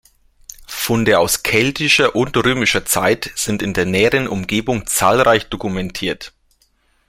Funde aus keltischer und römischer Zeit sind in der näheren Umgebung zahlreich dokumentiert.